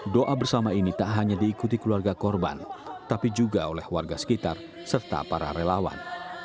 doa bersama ini tak hanya diikuti keluarga korban tapi juga oleh warga sekitar serta para relawan